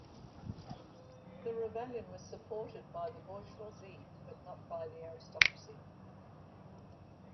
The rebellion was supported by the bourgeoisie but not by the aristocracy.